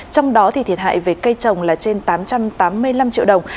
trong đó thiệt hại về cây trồng là trên tám trăm tám mươi năm triệu đồng